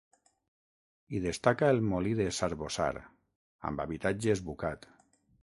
Hi destaca el Molí de s'Arboçar, amb habitatge esbucat.